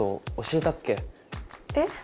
えっ？